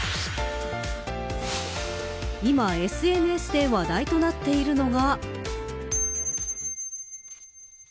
今ＳＮＳで話題となっているのが。